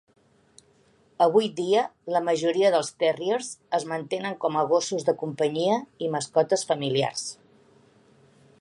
Avui dia, la majoria dels terriers es mantenen com a gossos de companyia i mascotes familiars.